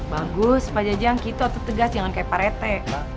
bagus pak jajang kita tetap tegas jangan kayak pak rethe